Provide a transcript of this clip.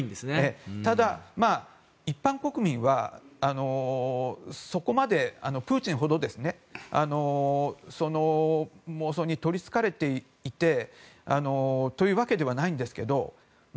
ただ、一般国民はそこまでプーチンほど妄想に取りつかれているというわけではないんですが。